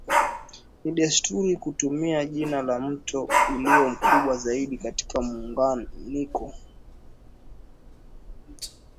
Ni desturi kutumia jina la mto ulio mkubwa zaidi katika muunganiko